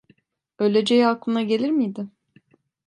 Öleceği aklına gelir miydi?